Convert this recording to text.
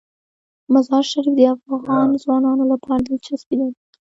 مزارشریف د افغان ځوانانو لپاره دلچسپي لري.